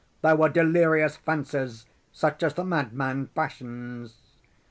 There were delirious fancies such as the madman fashions.